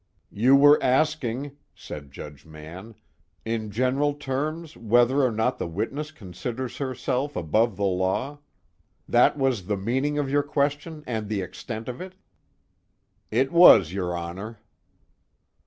"You were asking," said Judge Mann, "in general terms, whether or not the witness considers herself above the law? That was the meaning of your question and the extent of it?" "It was, your Honor."